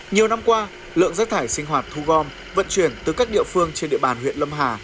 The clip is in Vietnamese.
nhiều năm qua lượng rác thải sinh hoạt thu gom vận chuyển từ các địa phương trên địa bàn huyện lâm hà